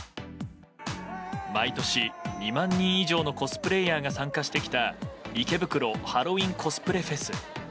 毎年２万人以上のコスプレイヤーが参加してきた池袋ハロウィンコスプレフェス。